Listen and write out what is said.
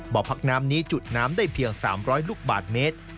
บ่อพักน้ำนี้จุดน้ำได้เพียง๓๐๐ลูกบาทเมตร